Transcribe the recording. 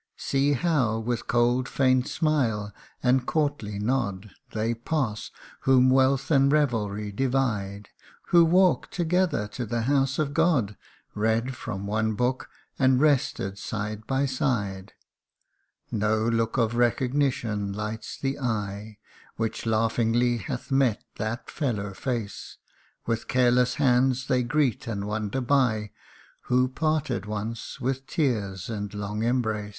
See, how with cold faint smile, and courtly nod, They pass, whom wealth and revelry divide Who walked together to the house of God, Read from one book, and rested side by side ; No look of recognition lights the eye Which laughingly hath met that fellow face ; With careless hands they greet and wander by, Who parted once with tears and long embrace.